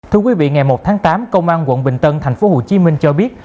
thưa quý vị ngày một tháng tám công an quận bình tân tp hcm cho biết